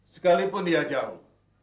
sekalipun dia jauh